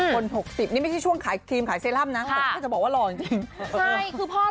คน๖๐นี่ไม่ใช่ช่วงขายครีมขายเซรั่มนะจะบอกว่าหล่อจริง